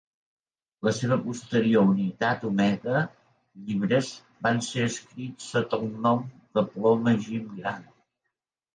La seva posterior "unitat Omega" llibres van ser escrits sota el nom de ploma Jim Grand.